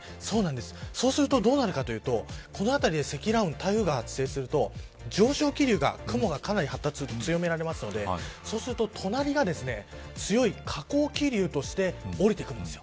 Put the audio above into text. そうすると、どうなるかというとこのあたりで積乱雲台風が発生すると上昇気流が雲が発達して強められるのでそうすると隣が強い下降気流としておりてくるんです。